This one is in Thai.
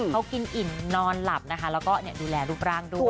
เขากินอิ่นนอนหลับดูแลรูปร่างด้วย